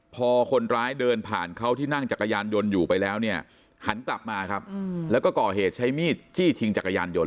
พอคนร้ายเดินผ่านเขาที่นั่งจักรยานยนต์หลัดยนต์ไปแล้วยังก็ก่อเหตุใช้มีดจี้ทิ้งจักรยานยนต์